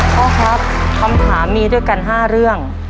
พ่อครับคำถามมีด้วยกัน๕เรื่อง